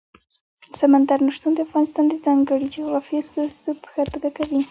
سمندر نه شتون د افغانستان د ځانګړي جغرافیې استازیتوب په ښه توګه کوي.